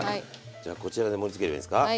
じゃあこちらで盛りつければいいんですか？